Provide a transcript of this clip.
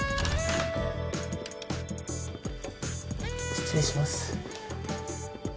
失礼します。